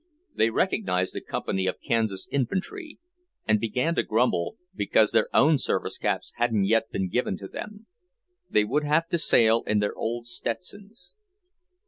They recognized a company of Kansas Infantry, and began to grumble because their own service caps hadn't yet been given to them; they would have to sail in their old Stetsons.